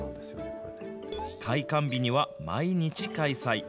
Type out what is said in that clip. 開館日には毎日開催。